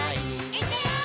「いくよー！」